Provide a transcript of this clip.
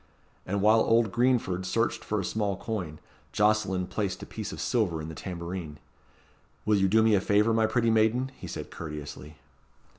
And while old Greenford searched for a small coin, Jocelyn placed a piece of silver in the tambourine. "Will you do me a favour, my pretty maiden?" he said courteously.